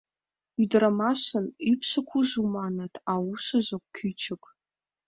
— Ӱдырамашын ӱпшӧ кужу, маныт, а ушыжо кӱчык.